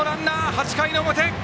８回の表。